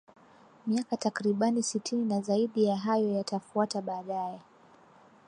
miaka takribani sitini na zaidi ya hayo yatafuata baadae